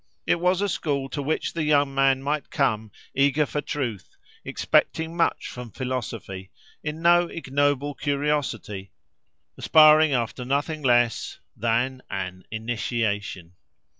It was a school to which the young man might come, eager for truth, expecting much from philosophy, in no ignoble curiosity, aspiring after nothing less than an "initiation."